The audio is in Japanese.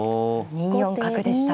２四角でした。